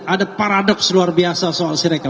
ada paradoks luar biasa soal sireka